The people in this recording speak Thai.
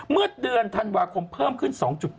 เมื่อเดือนธันวาคมเพิ่มขึ้น๒๘